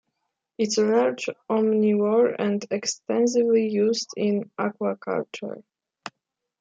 It is a large omnivore and extensively used in aquaculture.